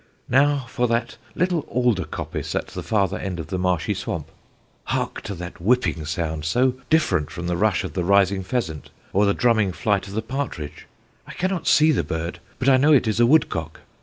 Now for that little alder coppice at the further end of the marshy swamp. Hark to that whipping sound so different from the rush of the rising pheasant or the drumming flight of the partridge! I cannot see the bird, but I know it is a woodcock.